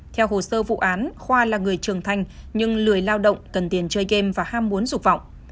theo hồ sơ vụ án khoa là người trưởng thanh nhưng lười lao động cần tiền chơi game và ham muốn dục vọng